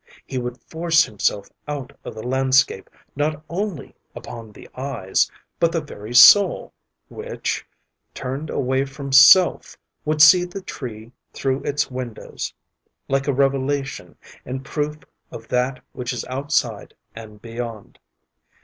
he would force himself out of the landscape not only upon the eyes, but the very soul, which, turned away from self, would see the tree through its windows, like a revelation and proof of that which is outside and beyond.